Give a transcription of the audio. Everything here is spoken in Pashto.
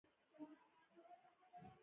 چلوونکی باید تجربه ولري.